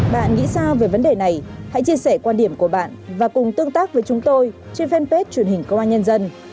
bạn nghĩ sao về vấn đề này hãy chia sẻ quan điểm của bạn và cùng tương tác với chúng tôi trên fanpage truyền hình công an nhân dân